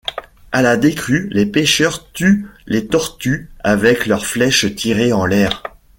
À la décrue, les pêcheurs tuent les tortues avec leurs flèches tirées en l'air.